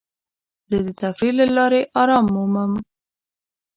زه د تفریح له لارې ارام مومم.